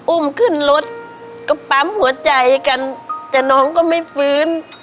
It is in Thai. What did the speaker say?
อุ้มขึ้นรถก็ปั๊มหัวใจกันแต่น้องก็ไม่ฟื้น